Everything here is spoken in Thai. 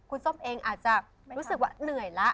คุณส้มเองอาจจะรู้สึกว่าเหนื่อยละ